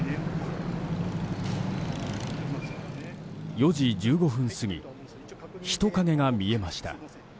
４時１５分過ぎ人影が見えました。